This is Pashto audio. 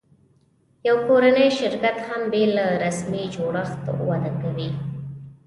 یو کورنی شرکت هم بېله رسمي جوړښت وده کوي.